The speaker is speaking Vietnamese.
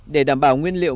để đảm bảo nguyên liệu